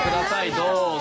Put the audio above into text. どうぞ。